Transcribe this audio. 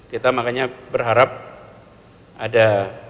kita makanya berharap ada